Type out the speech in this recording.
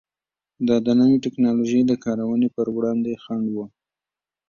دا د نوې ټکنالوژۍ د کارونې پر وړاندې خنډ و.